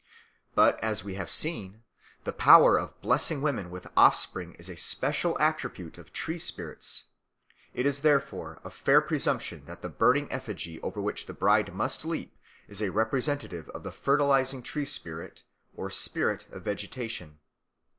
But, as we have seen, the power of blessing women with offspring is a special attribute of tree spirits; it is therefore a fair presumption that the burning effigy over which the bride must leap is a representative of the fertilising tree spirit or spirit of vegetation.